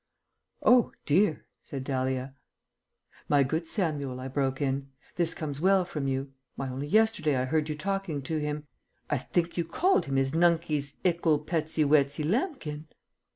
"Oh dear," said Dahlia. "My good Samuel," I broke in, "this comes well from you. Why, only yesterday I heard you talking to him. I think you called him his nunkey's ickle petsy wetsy lambkin."